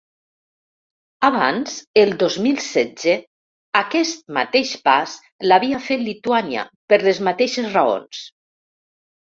Abans, el dos mil setze, aquest mateix pas l’havia fet Lituània, per les mateixes raons.